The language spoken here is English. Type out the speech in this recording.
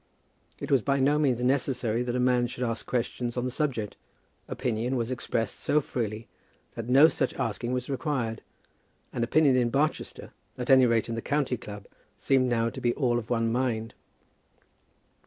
It was by no means necessary that a man should ask questions on the subject. Opinion was expressed so freely that no such asking was required; and opinion in Barchester, at any rate in the county club, seemed now to be all of one mind.